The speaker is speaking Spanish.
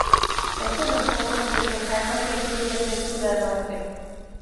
Es de los pocos ríos texanos que fluyen de sur a norte.